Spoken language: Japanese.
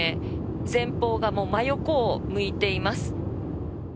前方がもう真横を向いています。